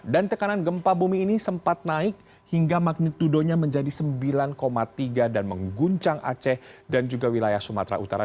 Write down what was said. dan tekanan gempa bumi ini sempat naik hingga magnitudonya menjadi sembilan tiga dan mengguncang aceh dan juga wilayah sumatera utara